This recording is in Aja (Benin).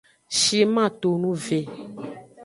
Shiman tonu ve.